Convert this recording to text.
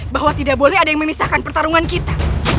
bahwa tidak boleh ada yang memisahkan pertarungan kita